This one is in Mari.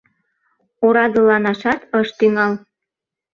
Орадыланашат ыш тӱҥал.